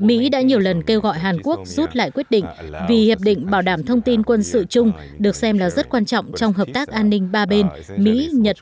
mỹ đã nhiều lần kêu gọi hàn quốc rút lại quyết định vì hiệp định bảo đảm thông tin quân sự chung được xem là rất quan trọng trong hợp tác an ninh